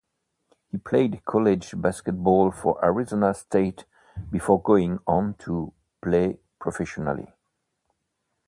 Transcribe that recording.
He played college basketball for Arizona State before going on to play professionally.